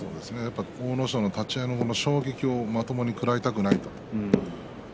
阿武咲の立ち合いの衝撃をまともに食らいたくないですね。